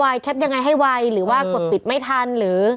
ว่าแคปยังไงให้ไวหรือว่ากดปิดไม่ทัน